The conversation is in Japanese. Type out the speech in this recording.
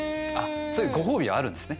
そういうご褒美はあるんですね。